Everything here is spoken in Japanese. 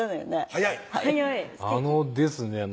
早いあのですね